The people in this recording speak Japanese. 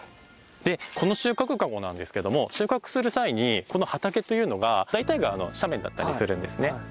この収穫かごなんですけども収穫する際にこの畑というのが大体が斜面だったりするんですね。